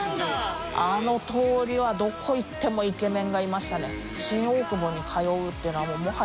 あの通りはどこ行ってもイケメンがいましたね。